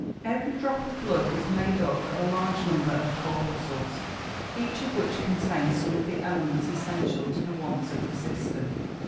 _ Every drop of blood is made up of a large number of corpuscles, each of which contains some of the elements essential to the wants of the system.